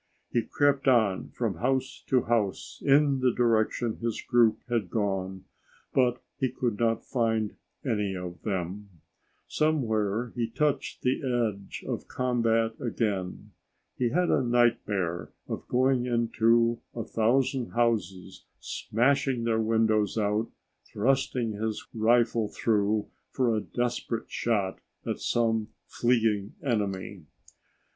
He crept on from house to house in the direction his group had gone, but he could not find any of them. Somewhere he touched the edge of combat again. He had a nightmare of going into a thousand houses, smashing their windows out, thrusting his rifle through for a desperate shot at some fleeing enemy.